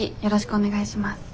お願いします。